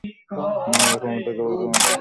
মারার ক্ষমতা কেবল জ্বলন্ত সিগারেটের মধ্যেই আছে।